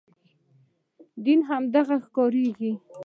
دین هماغه ښکارېږي.